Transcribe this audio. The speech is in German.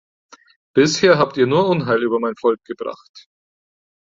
Bisher habt ihr nur Unheil über mein Volk gebracht!